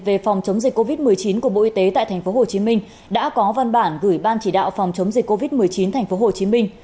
về phòng chống dịch covid một mươi chín của bộ y tế tại tp hcm đã có văn bản gửi ban chỉ đạo phòng chống dịch covid một mươi chín tp hcm